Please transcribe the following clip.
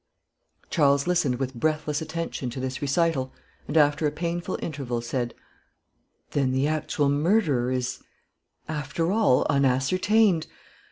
Charles listened with breathless attention to this recital, and, after a painful interval, said "Then the actual murderer is, after all, unascertained.